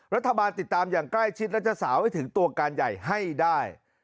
รัฐบาลติดตามอย่างใกล้ชิดและจะสาวให้ถึงตัวการใหญ่ให้ได้